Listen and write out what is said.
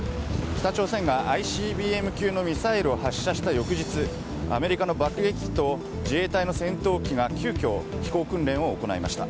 北朝鮮がＩＣＢＭ級のミサイルを発射した翌日アメリカの爆撃機と自衛隊の戦闘機が急きょ、飛行訓練を行いました。